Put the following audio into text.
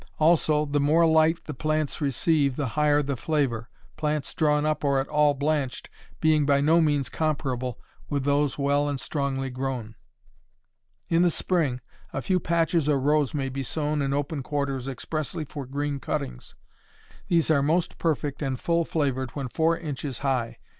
Also the more light the plants receive the higher the flavor, plants drawn up or at all blanched, being by no means comparable with those well and strongly grown. In the spring, a few patches or rows may be sown in open quarters expressly for green cuttings. These are most perfect and full flavored when four inches high.